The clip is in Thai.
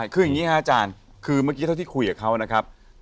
คืออย่างนี้ครับอาจารย์คือเมื่อกี้เท่าที่คุยกับเขานะครับ